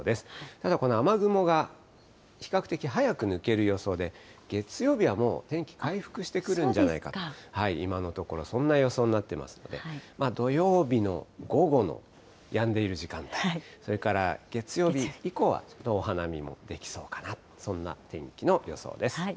ただこの雨雲が比較的早く抜ける予想で、月曜日はもう、天気回復してくるんじゃないかと、今のところ、そんな予想になってますので、土曜日の午後のやんでいる時間帯、それから月曜日以降はお花見もできそうかな、そんな天気の予想です。